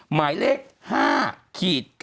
หมายเลข๕๙๐๐๑๙